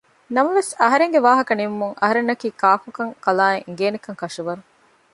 ނަމަވެސް އަހަރެންގެ ވާހަކަ ނިމުމުން އަހަރެންނަކީ ކާކު ކަން ކަލާއަށް އެނގޭނެކަން ކަށަވަރު